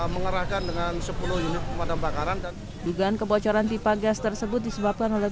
mengarahkan dengan sepuluh unit pemadam bakaran dan jugaan kebocoran pipa gas tersebut disebabkan oleh